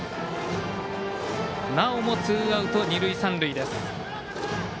なおもツーアウト、二塁三塁です。